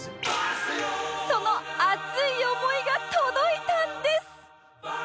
その熱い思いが届いたんです